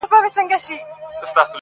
موږ په اصل او نسب سره خپلوان یو؛